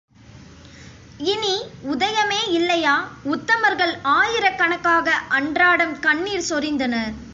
இனி உதயமே இல்லையா உத்தமர்கள் ஆயிரக்கணக்காக அன்றாடம் கண்ணீர் சொரிந்தனர்.